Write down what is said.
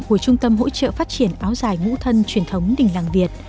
của trung tâm hỗ trợ phát triển áo dài ngũ thân truyền thống đình làng việt